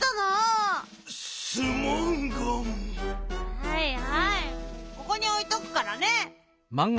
はいはいここにおいとくからね。